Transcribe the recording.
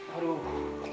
aku bisa jadi orang kaya